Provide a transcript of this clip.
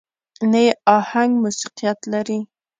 نه يې اهنګ موسيقيت لري.